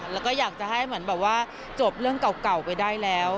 แล้วก็อยากจะให้เหมือนแบบว่าจบเรื่องเก่าไปได้แล้ว